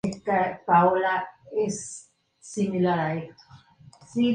Sin embargo, en el Próximo Oriente las cosas no iban bien.